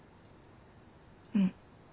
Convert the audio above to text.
うん。